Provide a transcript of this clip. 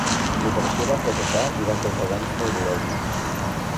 L'operació va fracassar i va causar danys neurològics.